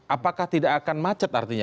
apakah tidak akan macet artinya